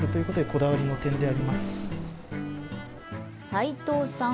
齋藤さん